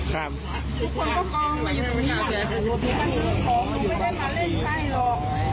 คุกมากกลัวหนึ่ง